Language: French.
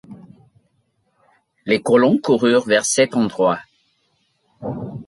Les colons coururent vers cet endroit